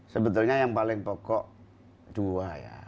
sebetulnya yang paling pokok dua ya